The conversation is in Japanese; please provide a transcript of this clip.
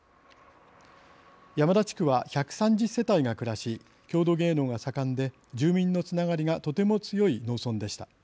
山田地区は１３０世帯が暮らし郷土芸能が盛んで住民のつながりがとても強い農村でした。